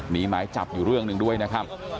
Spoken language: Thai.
มีหมายจับอยู่เรื่องหนึ่งด้วยนะครับ